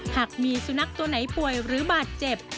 หากมีสุนัขตัวไหนป่วยหรือบาดเจ็บ